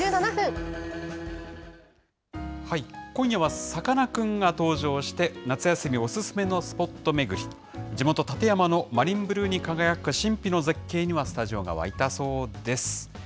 今夜はさかなクンが登場して、夏休みお勧めのスポット巡り、地元、館山のマリンブルーに輝く神秘の絶景にはスタジオが沸いたそうです。